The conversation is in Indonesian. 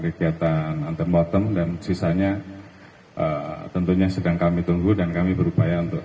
kegiatan antemortem dan sisanya tentunya sedang kami tunggu dan kami berupaya untuk